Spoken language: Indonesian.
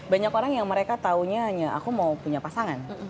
banyak orang yang mereka taunya hanya aku mau punya pasangan